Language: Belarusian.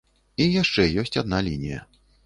І яшчэ ёсць адна лінія.